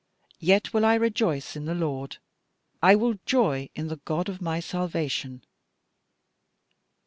yet will I rejoice in the Lord, I will joy in the God of my salvation.'